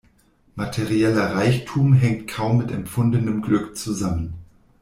Materieller Reichtum hängt kaum mit empfundenem Glück zusammen.